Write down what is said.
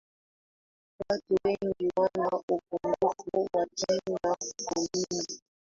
watu wengi wana upungufu wa kinga mwilini